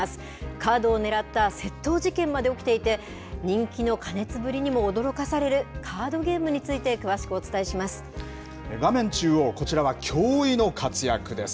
カードをねらった窃盗事件まで起きていて、人気の過熱ぶりにも驚かされるカードゲームについて、画面中央、こちらは驚異の活躍です。